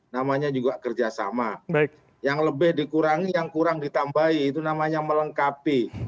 namanya juga kerjasama yang lebih dikurangi yang kurang ditambahi itu namanya melengkapi